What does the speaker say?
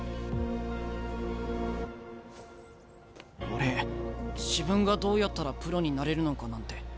俺自分がどうやったらプロになれるのかなんて